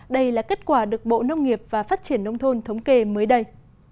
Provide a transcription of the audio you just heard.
đây là kết quả được bộ nông nghiệp và phát triển nông thôn thống kê mới đây